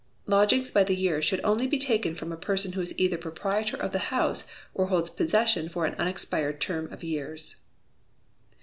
Lodgings by the year should only be taken from a person who is either proprietor of the house, or holds possession for an unexpired term of years.